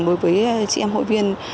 đối với chị em hội viên